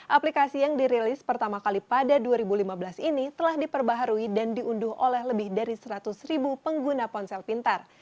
aplikasi yang dirilis pertama kali pada dua ribu lima belas ini telah diperbaharui dan diunduh oleh lebih dari seratus ribu pengguna ponsel pintar